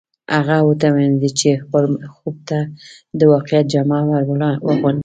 هغه وتوانېد چې خپل خوب ته د واقعیت جامه ور واغوندي